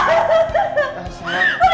rik jangan nyarang